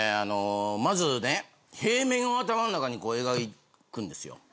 まずね平面を頭の中に描くんですよ。